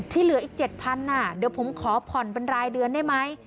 ที่เหลืออีกเจ็ดพันธุ์อ่ะเดี๋ยวผมขอผ่อนเป็นรายเดือนได้ไหม